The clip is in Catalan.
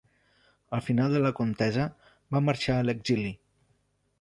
Al final de la contesa va marxar a l'exili.